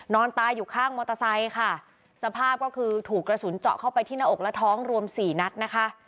นอนตายอยู่ข้างมอเตอร์ไซค์ค่ะสภาพก็คือถูกกระสุนเจาะเข้าไปที่หน้าอกและท้องรวมสี่นัดนะคะ